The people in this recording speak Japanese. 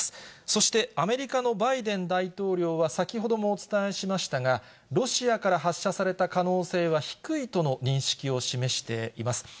そして、アメリカのバイデン大統領は、先ほどもお伝えしましたが、ロシアから発射された可能性は低いとの認識を示しています。